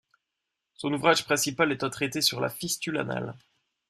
Son ouvrage principal est un traité sur la fistule anale.